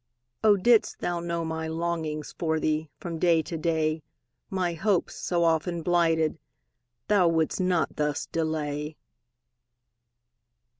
Oh, didst thou know my longings For thee, from day to day, My hopes, so often blighted, Thou wouldst not thus delay!